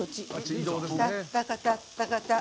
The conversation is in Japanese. タッタカタッタカタ。